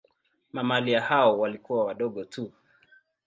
Mamalia hao walikuwa wadogo tu.